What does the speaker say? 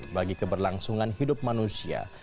bagi keberlangsungan hidup manusia